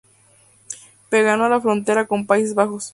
Pegado a la frontera con Países Bajos.